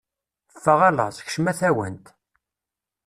Ffeɣ a laẓ, kcemm a tawant.